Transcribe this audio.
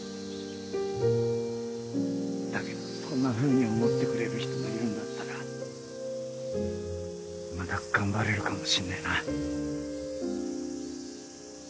だけどそんなふうに思ってくれる人がいるんだったらまだ頑張れるかもしんねぇな。